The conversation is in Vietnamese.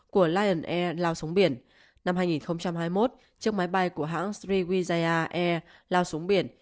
của lion air lao súng biển năm hai nghìn hai mươi một chiếc máy bay của hãng sriwijaya air lao súng biển